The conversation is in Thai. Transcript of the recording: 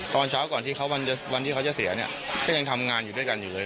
ตอนเช้าก่อนที่เขาวันที่เขาจะเสียเนี่ยก็ยังทำงานอยู่ด้วยกันอยู่เลย